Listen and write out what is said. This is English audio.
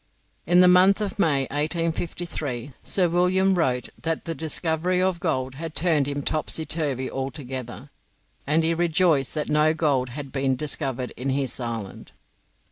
In the month of May, 1853, Sir William wrote that "the discovery of gold had turned him topsy turvy altogether," and he rejoiced that no gold had been discovered in his island.